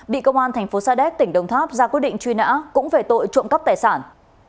bị công an thành phố sa đéc tỉnh đồng tháp ra quyết định truy nã cũng về tội trộm cắp tài sản